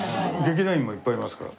劇団員もいっぱいいますから。